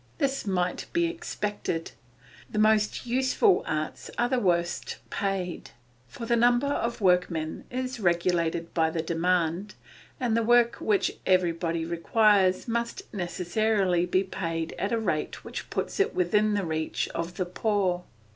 This might be expected. The most useful arts are the worst paid, for the number of workmen is regulated by the demand, and the work which everybody requires must necessarily be paid at a rate which puts it within the reach of the poor.